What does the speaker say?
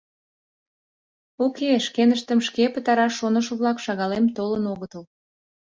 Уке, шкеныштым шке пытараш шонышо-влак шагалем толын огытыл.